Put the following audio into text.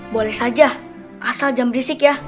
boleh saja asal jangan berisik ya